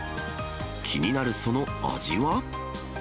気になるその味は？